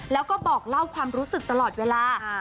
แล้วก็บอกเล่าความรู้สึกตลอดเวลา